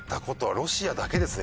ロシアだけですね